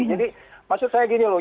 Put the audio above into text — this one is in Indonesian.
jadi maksud saya begini loh